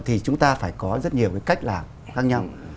thì chúng ta phải có rất nhiều cái cách làm khác nhau